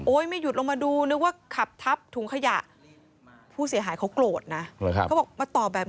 โอ้ยมันอยุดลงมาดูนึกว่าขับทัพถูกขยะ